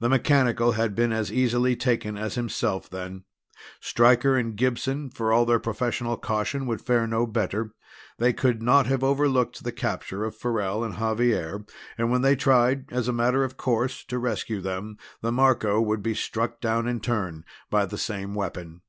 The mechanical had been as easily taken as himself, then. Stryker and Gibson, for all their professional caution, would fare no better they could not have overlooked the capture of Farrell and Xavier, and when they tried as a matter of course to rescue them the Marco would be struck down in turn by the same weapon.